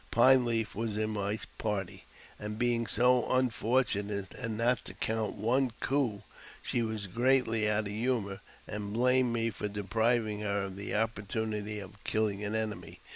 Pine Leaf was in my party, and being so unfortunate as not to count one cooy she was greatly out of humour, and blamed me for depriv j ing her of the opportunity of kilhng an enemy.